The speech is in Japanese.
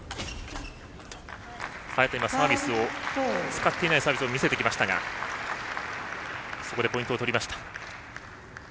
早田は使っていないサービスを見せてきましたがそこでポイントを取りました。